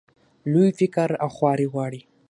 لوی فکر او خواري غواړي.